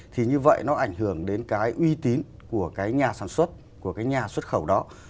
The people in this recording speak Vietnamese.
thì như vậy nó ảnh hưởng đến cái uy tín của cái nhà sản xuất của cái nhà xuất khẩu đó